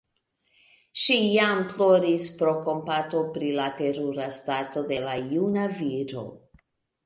Ŝi jam ploris pro kompato pri la terura stato de la juna viro.